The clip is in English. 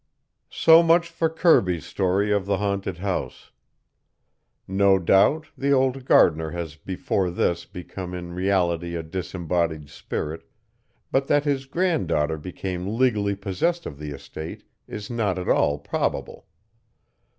So much for Kirby's story of the haunted house. No doubt, the old gardener has before this become in reality a disembodied spirit, but that his grand daughter became legally possessed of the estate is not at all probable.